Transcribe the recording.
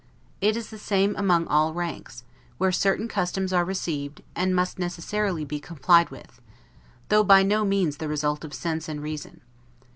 It is the same among all ranks, where certain customs are received, and must necessarily be complied with, though by no means the result of sense and reason.